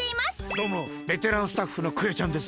どうもベテランスタッフのクヨちゃんです。